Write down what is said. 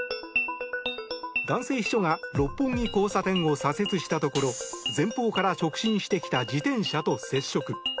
男性秘書が六本木交差点を左折したところ前方から直進してきた自転車と接触。